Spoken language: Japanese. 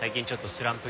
スランプ！？